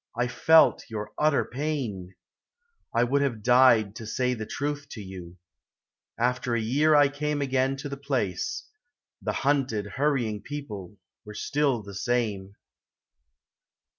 I felt your utter pain. I would have died to say the truth to you. After a year I came again to the place The hunted hurrying people were still the same....